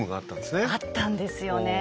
あったんですよねえ。